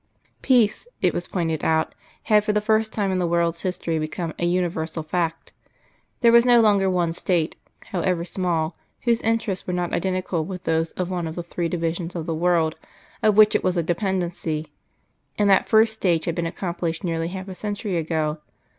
Peace, it was pointed out, had for the first time in the world's history become an universal fact. There was no longer one State, however small, whose interests were not identical with those of one of the three divisions of the world of which it was a dependency, and that first stage had been accomplished nearly half a century ago.